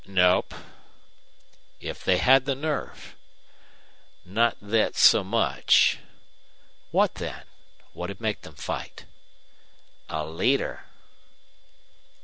"Nope." "If they had the nerve?" "Not thet so much." "What then? What'd make them fight?" "A leader!"